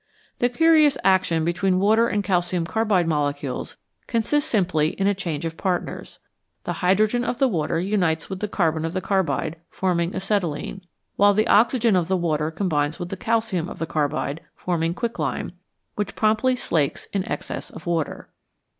The curious action between the water and calcium carbide molecules consists simply in a change of partners. The hydrogen of the water unites with the carbon of the carbide, forming acetylene, while the oxygen of the water combines with the calcium of the carbide, forming quicklime, which promptly slakes in excess of water.